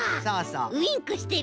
ウインクしてる。